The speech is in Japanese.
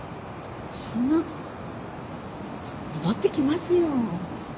そんな戻ってきますよ。